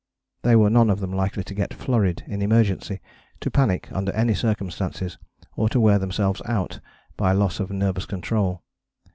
They were none of them likely to get flurried in emergency, to panic under any circumstances, or to wear themselves out by loss of nervous control.